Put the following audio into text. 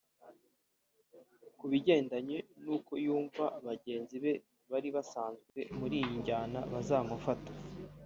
Kubigendanye n’uko yumva bagenzi be bari basanzwe muri iyi njyana bazamufata